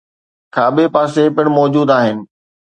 ، کاٻي پاسي پڻ موجود آهن.